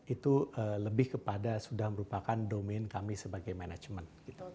itu lebih kepada sudah merupakan domain kami sebagai manajemen